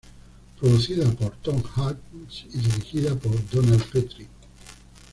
Producida por Tom Hanks y dirigida por Donald Petrie.